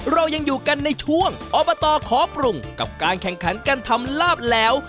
เรายังอยู่กันในช่วงอบตขอปรุงกับการแข่งขันการทำลาบแล้ว